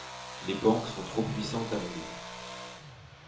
Les banque sont trop puissantes à mon goût.